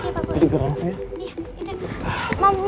makasih pak boim